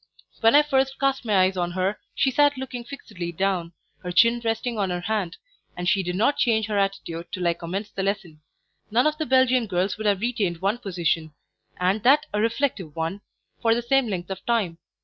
When I first cast my eyes on her, she sat looking fixedly down, her chin resting on her hand, and she did not change her attitude till I commenced the lesson. None of the Belgian girls would have retained one position, and that a reflective one, for the same length of time.